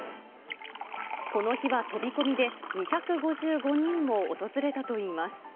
この日は飛び込みで、２５５人も訪れたといいます。